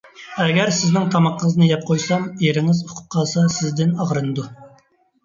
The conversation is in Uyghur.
ئەگەر سىزنىڭ تامىقىڭىزنى يەپ قويسام، ئېرىڭىز ئۇقۇپ قالسا سىزدىن ئاغرىنىدۇ.